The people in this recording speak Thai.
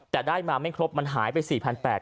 แต่ได้มาไม่ครบมันหายไป๔๘๐๐บาท